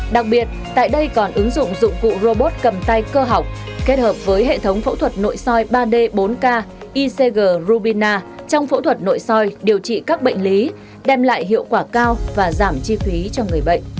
đặc biệt tại đây còn ứng dụng dụng cụ robot cầm tay cơ học kết hợp với hệ thống phẫu thuật nội soi ba d bốn k icg rubina trong phẫu thuật nội soi điều trị các bệnh lý đem lại hiệu quả cao và giảm chi phí cho người bệnh